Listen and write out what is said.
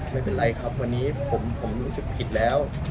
ไม่เป็นไรครับวันนี้ผมรู้สึกผิดแล้ว